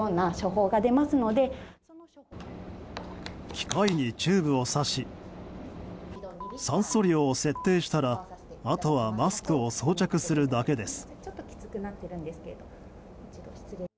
機械にチューブを挿し酸素量を設定したらあとはマスクを装着するだけです。